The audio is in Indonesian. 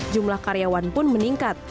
jumlah karyawan pun meningkat